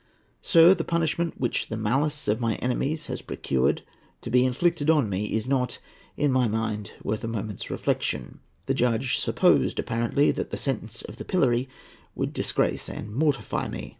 "Sir, the punishment which the malice of my enemies has procured to be inflicted on me is not, in my mind, worth a moment's reflection. The judge supposed, apparently, that the sentence of the pillory would disgrace and mortify me.